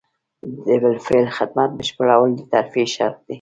د بالفعل خدمت بشپړول د ترفیع شرط دی.